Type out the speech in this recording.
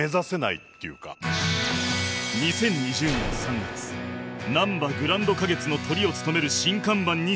２０２０年３月なんばグランド花月のトリを務める新看板に就任